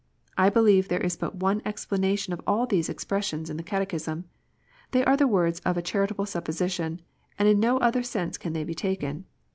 I believe there is but one explanation of all these expressions in the Catechism. They are the words of charitable supposition^ and in no other sense can they be taken.